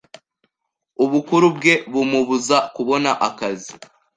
Ubukuru bwe bumubuza kubona akazi.